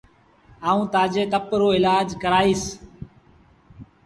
آئوٚݩ تآجي تپ رو ايلآج ڪرآئيٚس۔